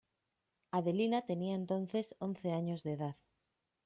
Adelina tenía entonces once años de edad.